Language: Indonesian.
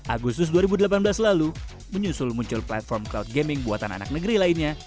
agustus dua ribu delapan belas lalu menyusul muncul platform cloud gaming buatan anak negeri lainnya